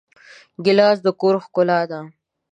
ګیلاس د کور ښکلا ده.